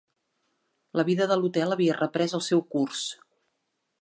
La vida de l'hotel havia reprès el seu curs.